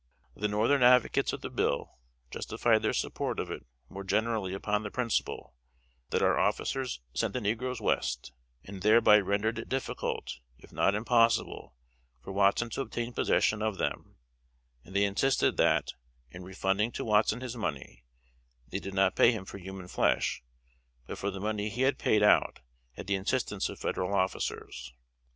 The Northern advocates of the bill justified their support of it more generally upon the principle, that our officers sent the negroes West, and thereby rendered it difficult, if not impossible, for Watson to obtain possession of them; and they insisted that, in refunding to Watson his money, they did not pay him for human flesh, but for the money he had paid out at the instance of federal officers.